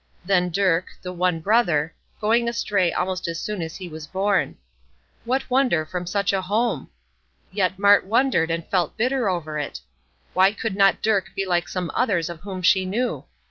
Then Dirk, the one brother, going astray almost as soon as he was born. What wonder, from such a home? Yet Mart wondered and felt bitter over it. Why could not Dirk be like some others of whom she knew?